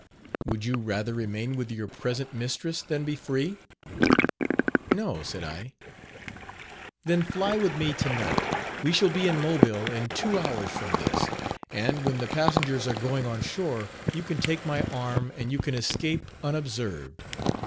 'Would you rather remain with your present mistress, than be free?' 'No,' said I. 'Then fly with me to night; we shall be in Mobile in two hours from this, and, when the passengers are going on shore, you can take my arm, and you can escape unobserved.